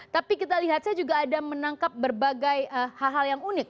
tapi kita lihat saya juga ada menangkap berbagai hal hal yang unik